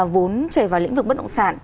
vốn chảy vào lĩnh vực bất động sản